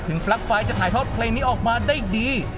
ถึงปรักฟัยจะถ่ายทอดเพลงนี้ออกมาดี